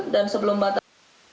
dan sebelum batas